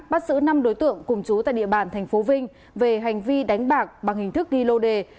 bắt giữ năm đối tượng cùng chú tại địa bàn tp vinh về hành vi đánh bạc bằng hình thức ghi lô đề